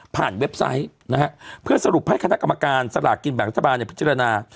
เว็บไซต์นะฮะเพื่อสรุปให้คณะกรรมการสลากกินแบ่งรัฐบาลพิจารณา